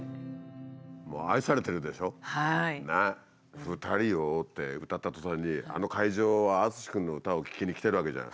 「ふたりを」って歌ったとたんにあの会場はＡＴＳＵＳＨＩ君の歌を聴きに来てるわけじゃない？